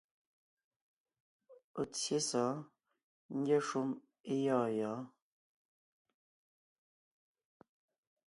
Ɔ̀ tsyé sɔ̌ɔn ngyɛ́ shúm é gyɔ̂ɔn gyɔ̌ɔn.